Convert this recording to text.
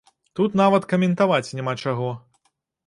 Тут нават каментаваць няма чаго!